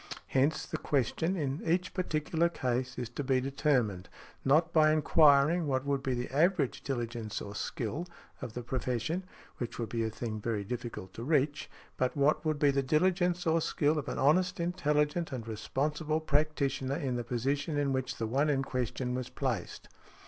Hence, the question, in each particular case, is to be determined, not by enquiring what would be the average diligence or skill of the profession (which would be a thing very difficult to reach), but what would be the diligence or skill of an honest, intelligent and responsible practitioner in the position in which the one in question was placed .